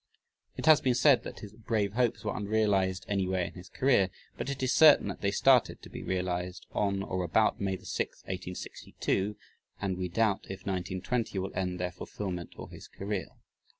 It has been said that his brave hopes were unrealized anywhere in his career but it is certain that they started to be realized on or about May 6, 1862, and we doubt if 1920 will end their fulfillment or his career.